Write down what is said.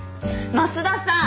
益田さん。